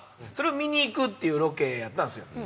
それを見に行くっていうロケやったんすよ。